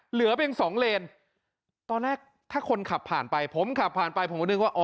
เหลือเป็นสองเลนตอนแรกถ้าคนขับผ่านไปผมขับผ่านไปผมก็นึกว่าอ